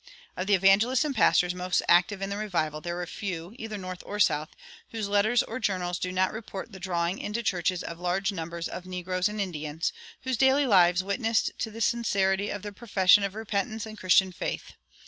Of the evangelists and pastors most active in the revival, there were few, either North or South, whose letters or journals do not report the drawing into the churches of large numbers of negroes and Indians, whose daily lives witnessed to the sincerity of their profession of repentance and Christian faith.